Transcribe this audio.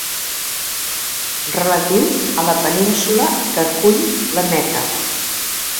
Relatiu a la península que acull la Meca.